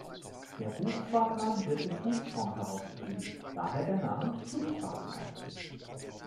Der Buchfahrplan wird in Buchform herausgegeben, daher der Name "Buchfahrplan".